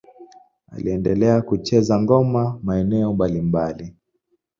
Aliendelea kucheza ngoma maeneo mbalimbali.